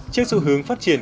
trước xu hướng phát triển